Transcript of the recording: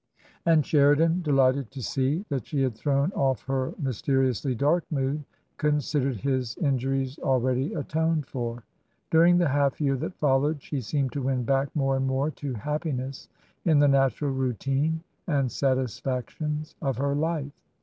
And Sheridan, delighted to see that she had thrown off her mysteriously dark mood, considered his injuries already atoned for. During the half year that followed she seemed to win back more and more to happiness in the natural routine and satisfactions of her life.